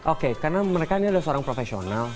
oke karena mereka ini adalah seorang profesional